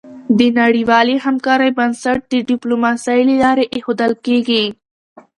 د نړیوالې همکارۍ بنسټ د ډيپلوماسی له لارې ایښودل کېږي.